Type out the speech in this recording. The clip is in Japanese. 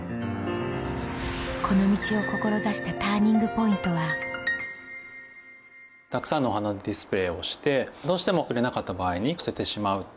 この道を志したＴＵＲＮＩＮＧＰＯＩＮＴはたくさんのお花をディスプレーをしてどうしても売れなかった場合に捨ててしまう。